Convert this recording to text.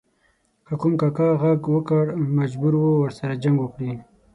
که کوم کاکه ږغ وکړ مجبور و ورسره جنګ وکړي.